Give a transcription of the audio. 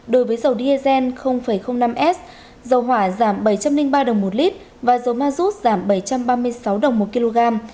đối với dầu diesel năm s dầu hỏa giảm bảy trăm linh ba đồng một lít và dầu ma rút giảm bảy trăm ba mươi sáu đồng một kg